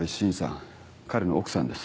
彼の奥さんです。